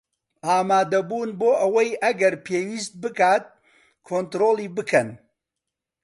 ئامادەبوون بۆ ئەوەی ئەگەر پێویست بکات کۆنترۆڵی بکەن